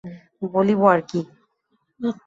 বলিব আর কী?